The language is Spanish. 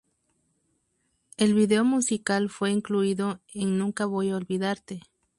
El video musical fue incluido en Nunca Voy a Olvidarte...